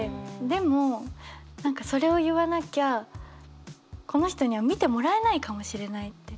でも何かそれを言わなきゃこの人には見てもらえないかもしれないって。